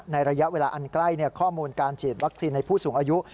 ระยะเวลาอันใกล้ข้อมูลการฉีดวัคซีนในผู้สูงอายุ